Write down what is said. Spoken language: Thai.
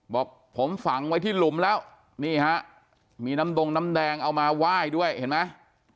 บอกผมฝังไว้ที่หลุมแล้วนี่ฮะมีน้ำดงน้ำแดงเอามาไหว้ด้วยเห็นไหม